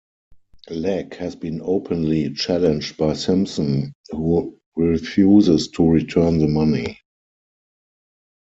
Legg has been openly challenged by Simpson who refuses to return the money.